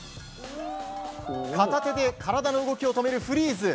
片手で体の動きを止めるフリーズ。